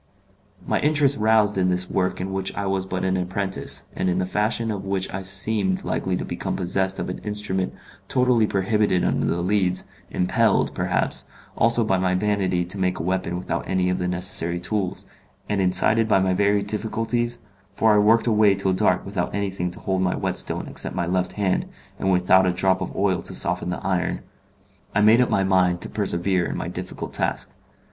My interest roused in this work in which I was but an apprentice, and in the fashion in which I seemed likely to become possessed of an instrument totally prohibited under the Leads, impelled, perhaps, also by my vanity to make a weapon without any of the necessary tools, and incited by my very difficulties (for I worked away till dark without anything to hold my whetstone except my left hand, and without a drop of oil to soften the iron), I made up my mind to persevere in my difficult task.